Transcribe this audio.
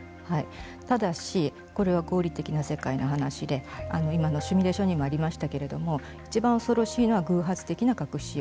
ただし、これは合理的な世界の話で今のシミュレーションにもありましたけれどもいちばん恐ろしいのは偶発的な核使用。